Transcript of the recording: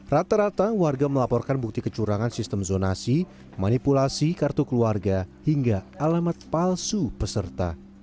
rata rata warga melaporkan bukti kecurangan sistem zonasi manipulasi kartu keluarga hingga alamat palsu peserta